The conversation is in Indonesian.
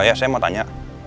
ya saya mau tanya